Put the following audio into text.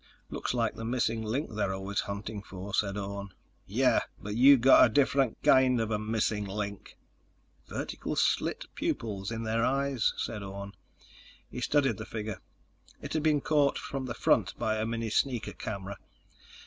"Looks like the missing link they're always hunting for," said Orne. "Yeah, but you've got a different kind of a missing link." "Vertical slit pupils in their eyes," said Orne. He studied the figure. It had been caught from the front by a mini sneaker camera.